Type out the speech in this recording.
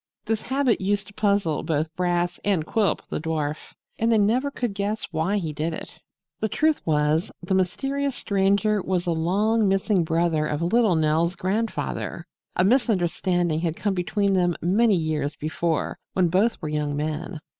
This habit used to puzzle both Brass and Quilp, the dwarf, and they never could guess why he did it. The truth was, the mysterious Stranger was a long missing brother of little Nell's grandfather. A misunderstanding had come between them many years before when both were young men.